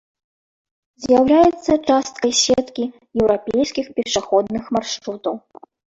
З'яўляецца часткай сеткі еўрапейскіх пешаходных маршрутаў.